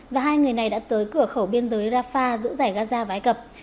và hai người này đã tới cửa khẩu biên giới rafah giữa giải gaza và ai cập